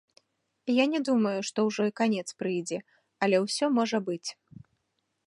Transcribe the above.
Я не думаю, што ўжо і канец прыйдзе, але ўсё можа быць.